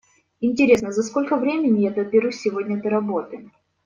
Интересно, за сколько времени я доберусь сегодня до работы?